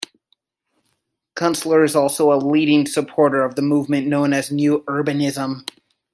Kunstler is also a leading supporter of the movement known as New Urbanism.